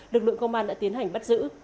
lực lượng công an đã tiến hành bắt giữ